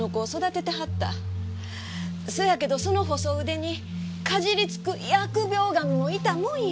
そやけどその細腕にかじりつく疫病神もいたもんや。